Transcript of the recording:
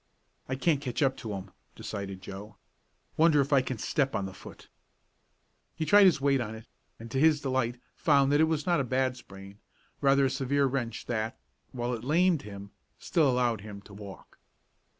"I can't catch up to 'em," decided Joe. "Wonder if I can step on the foot?" He tried his weight on it, and to his delight found that it was not a bad sprain, rather a severe wrench that, while it lamed him, still allowed him to walk.